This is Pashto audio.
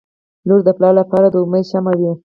• لور د پلار لپاره د امید شمعه وي.